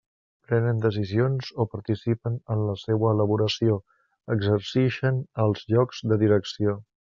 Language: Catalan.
Prenen decisions o participen en la seua elaboració, exercixen alts llocs de direcció.